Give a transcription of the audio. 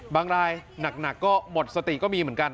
บางรายหนักก็หมดสติก็มีเหมือนกัน